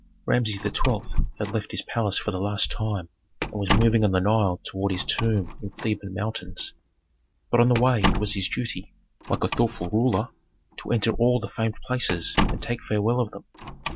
Rameses XII. had left his palace for the last time and was moving on the Nile toward his tomb in Theban mountains. But on the way it was his duty, like a thoughtful ruler, to enter all the famed places and take farewell of them.